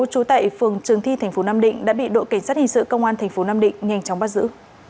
trú tại phường trường thi tp nam định đã bị đội cảnh sát hình sự công an tp nam định nhanh chóng bắt giữ